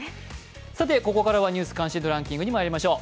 ここからは「ニュース関心度ランキング」にまいりましょう。